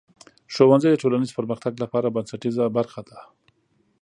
ښوونځی د ټولنیز پرمختګ لپاره بنسټیزه برخه ده.